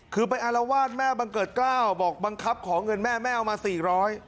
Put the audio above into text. คือไปอารวาสแม่บังเกิดกล้าวบอกบังคับขอเงินแม่แม่เอามาสี่ร้อย